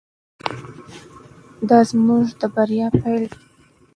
دا زموږ د بریا پیل دی.